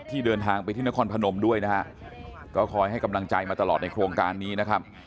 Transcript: เดินทางไปที่นครพนมด้วยนะฮะก็คอยให้กำลังใจมาตลอดในโครงการนี้นะครับ